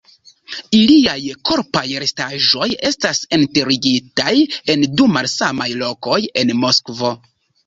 Iliaj korpaj restaĵoj estas enterigitaj en du malsamaj lokoj en Moskvo.